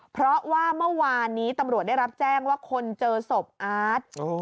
เพราะว่าเมื่อวานนี้ตำรวจได้รับแจ้งว่าคนเจอศพอาร์ต